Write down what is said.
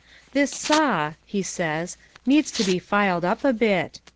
"This saw," he said, "needs to be filed up a bit."